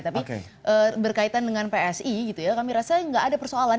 tapi berkaitan dengan psi gitu ya kami rasa nggak ada persoalan